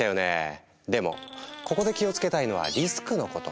でもここで気をつけたいのは「リスク」のこと。